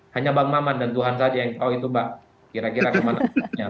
hanya bang maman dan tuhan saja yang tahu itu mbak kira kira kemana